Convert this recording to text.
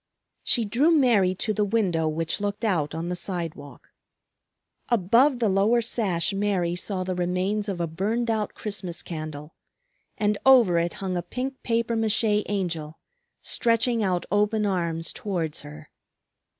She drew Mary to the window which looked out on the sidewalk. Above the lower sash Mary saw the remains of a burned out Christmas candle; and over it hung a pink papier mâché Angel stretching out open arms towards her.